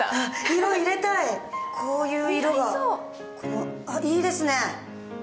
こういう色がいいですね。